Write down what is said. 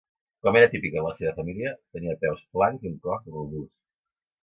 Com era típic en la seva família, tenia peus plans i un cos robust.